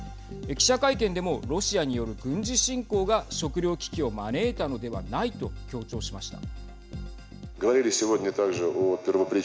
記者会見でもロシアによる軍事侵攻が食料危機を招いたのではないと強調しました。